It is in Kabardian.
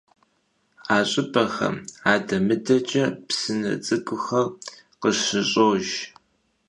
A ş'ıp'exem ade - mıdeç'e psıne ts'ık'uxer khışış'ojj.